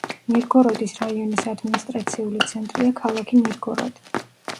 მირგოროდის რაიონის ადმინისტრაციული ცენტრია ქალაქი მირგოროდი.